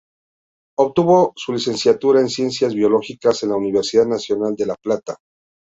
Obtuvo su licenciatura en Ciencias Biológicas en la Universidad Nacional de La Plata.